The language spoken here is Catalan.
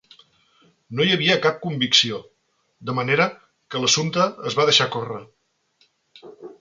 No hi havia cap convicció, de manera que l'assumpte es va deixar córrer.